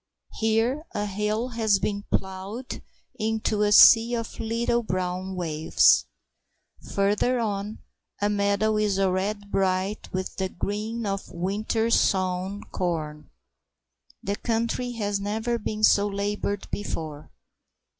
Here a hill has been ploughed into a sea of little brown waves. Further on a meadow is already bright with the green of winter sown corn. The country has never been so laboured before.